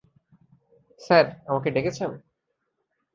Sir, আমাকে ডেকেছেন।